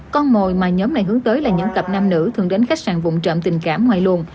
con mồi mà nhóm này hướng tới là những cặp nam nữ thường đến khách sạn vùng trộm tình cảm ngoài luồng